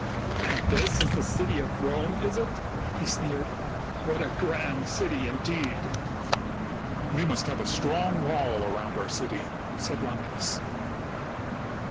"And this is the city of Rome, is it?" he sneered. " What a grand city, indeed !"" We must have a strong wall around our city," said Romulus.